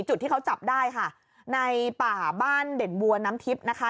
จุดที่เขาจับได้ค่ะในป่าบ้านเด็ดบวเรียแนมน้ำทริปนะคะ